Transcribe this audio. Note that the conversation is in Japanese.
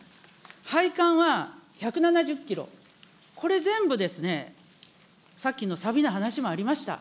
配管は１７０キロ、これ全部ですね、さっきのさびの話もありました。